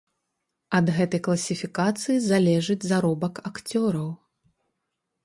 Ад гэтай класіфікацыі залежыць заробак акцёраў.